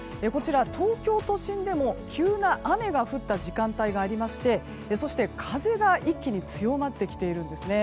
東京都心でも急な雨が降った時間帯がありましてそして、風が一気に強まってきているんですね。